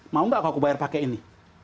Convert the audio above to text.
mau nggak aku bayar pakai ini